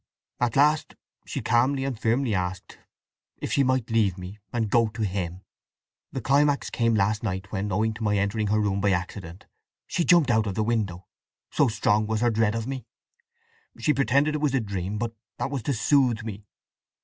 At last she calmly and firmly asked if she might leave me and go to him. The climax came last night, when, owing to my entering her room by accident, she jumped out of window—so strong was her dread of me! She pretended it was a dream, but that was to soothe me.